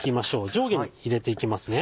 上下に入れていきますね。